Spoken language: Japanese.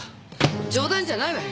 冗談じゃないわよ！